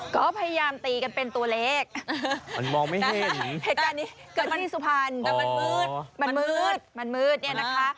ก็พยายามตีกันเป็นตัวเลขมันมองไม่ได้เหตุการณ์นี้เกิดขึ้นที่สุพรรณแต่มันมืดมันมืดมันมืดเนี่ยนะคะ